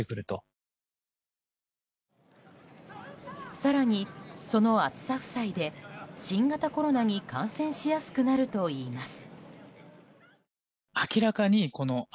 更に、その暑さ負債で新型コロナに感染しやすくなるといいます。